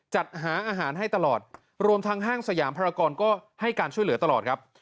จัดหาอาหารให้ตลอดรวมทางห้างสยามภารกรก็ให้การช่วยเหลือตลอดครับ